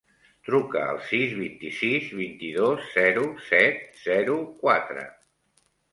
Truca al sis, vint-i-sis, vint-i-dos, zero, set, zero, quatre.